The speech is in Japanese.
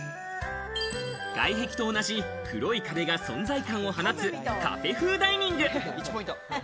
外壁と同じ黒い壁が存在感を放つ、カフェ風ダイニング。